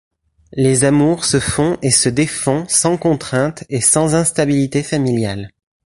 Les amours se font et se défont sans contraintes et sans instabilité familiale.